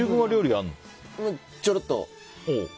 ちょろっと。